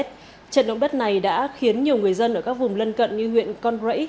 trận động đất này đã khiến nhiều người dân ở các vùng lân cận như huyện con rẫy